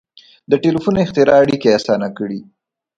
• د ټیلیفون اختراع اړیکې آسانه کړې.